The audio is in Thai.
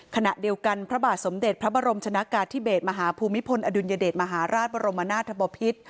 ขณะเดียวกันพระบาทสมเด็จพระบรมชนะกาธิเบศมหาภูมิพลอดุลยเดชมหาราชบรมนาธบพิษ